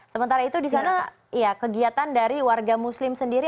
sementara itu di sana kegiatan dari warga muslim sendiri